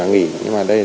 tại vì như mình đi làm